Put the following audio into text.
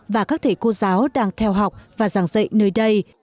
và các thầy cô giáo đang theo học và giảng dạy nơi đây